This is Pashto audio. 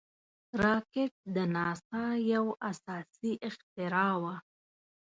راکټ د ناسا یو اساسي اختراع وه